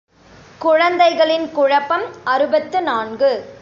குழந்தைகளின் குழப்பம் அறுபத்து நான்கு.